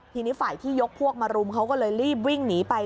ทีนี้ฝ่ายที่ยกพวกมารุมเขาก็เลยรีบวิ่งหนีไป